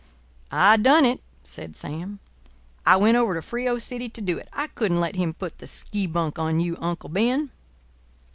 "I done it," said Sam. "I went over to Frio City to do it. I couldn't let him put the skibunk on you, Uncle Ben.